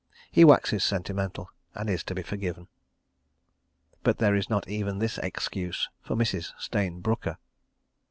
He waxes sentimental, and is to be forgiven. But there is not even this excuse for Mrs. Stayne Brooker.